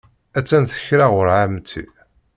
Attan tekra ɣur ɛemti.